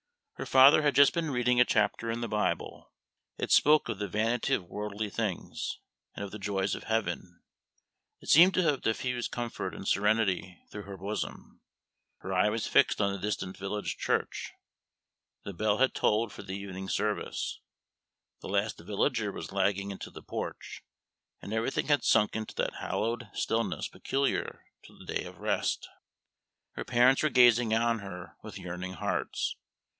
Her father had just been reading a chapter in the Bible: it spoke of the vanity of worldly things and of the joys of heaven: it seemed to have diffused comfort and serenity through her bosom. Her eye was fixed on the distant village church: the bell had tolled for the evening service; the last villager was lagging into the porch, and everything had sunk into that hallowed stillness peculiar to the day of rest. Her parents were gazing on her with yearning hearts.